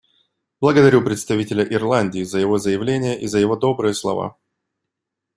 Благодарю представителя Ирландии за его заявление и за его добрые слова.